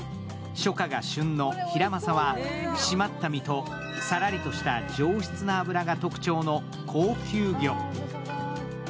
初夏が旬のヒラマサは締まった身とさらりとした上質な脂が特徴の高級魚。